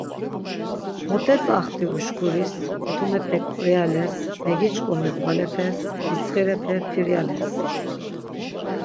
Mot etzaxti uşkuris, kotumepek ǩriales, megiç̌ǩomi ğvalepes ditsxirepe filyales.